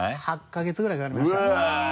８か月ぐらいかかりましたね。